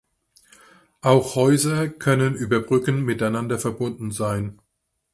Auch Häuser können über Brücken miteinander verbunden sein.